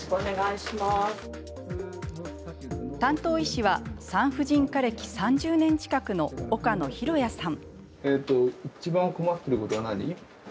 担当医師は産婦人科歴３０年近くの岡野浩哉さん。